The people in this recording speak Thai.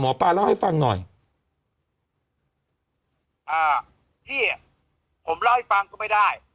ป้าเล่าให้ฟังหน่อยอ่าพี่อ่ะผมเล่าให้ฟังก็ไม่ได้